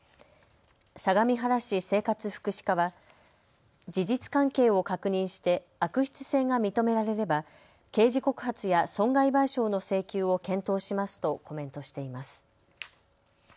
相模原市生活福祉課は事実関係を確認して悪質性が認められれば刑事告発や損害賠償の請求を検討しますとコメントしています。